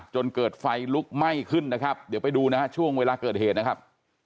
จนเกิดไฟลุกไหม้ขึ้นนะครับเดี๋ยวไปดูนะฮะช่วงเวลาเกิดเหตุนะครับ